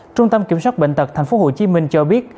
trung tâm kiểm soát bệnh tật tp hcm cho biết